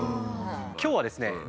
今日はですねええ！